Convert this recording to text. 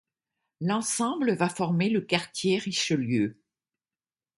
L'ensemble va former le quartier Richelieu.